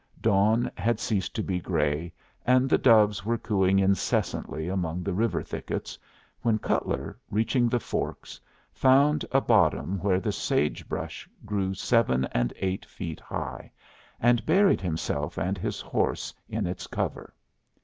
Dawn had ceased to be gray, and the doves were cooing incessantly among the river thickets, when Cutler, reaching the forks, found a bottom where the sage brush grew seven and eight feet high, and buried himself and his horse in its cover.